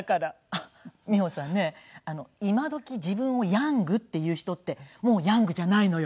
あっ美穂さんね今時自分をヤングって言う人ってもうヤングじゃないのよ。